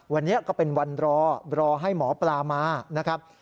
วันนี้ก็เป็นวันรอรอให้หมอปลามานะครับ